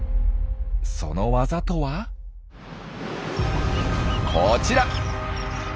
そのワザとはこちら。